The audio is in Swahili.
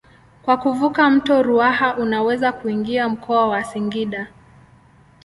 Kwa kuvuka mto Ruaha unaweza kuingia mkoa wa Singida.